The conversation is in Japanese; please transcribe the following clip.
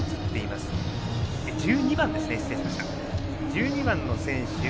１２番の選手